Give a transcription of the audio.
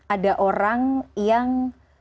ada orang yang